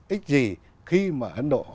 ích gì khi mà ấn độ